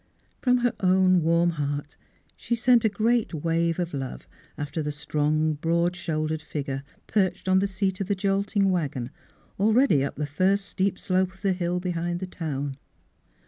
From her own warm heart she sent a great wave of love after the strong, broad shouldered figure perched on the seat of the jolting wagon, Miss Fhilura's Wedding Gown already up the first steep slope of the hill behind the town.